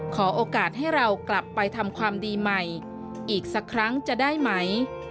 ขอโอกาสให้เรากลับไปทำความดีใหม่อีกสักครั้งจะได้ไหม